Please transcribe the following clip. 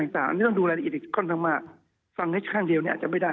อันนี้ต้องดูรายละเอียดอีกค่อนข้างมากฟังได้ข้างเดียวเนี่ยอาจจะไม่ได้